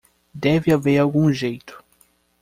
Deve haver algum jeito.